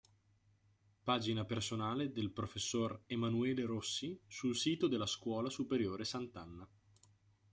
Pagina personale del Prof. Emanuele Rossi sul sito della Scuola Superiore Sant'Anna